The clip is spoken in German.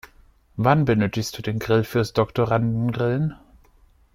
Wann benötigst du den Grill fürs Doktorandengrillen?